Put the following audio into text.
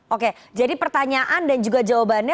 oke jadi pertanyaan dan juga jawabannya